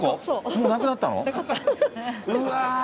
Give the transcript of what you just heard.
もうなくなったの？